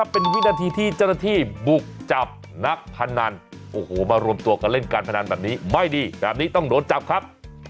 เป็นวินาทีที่เจ้าหน้าที่บุกจับนักพนันโอ้โหมารวมตัวกันเล่นการพนันแบบนี้ไม่ดีแบบนี้ต้องโดนจับครับ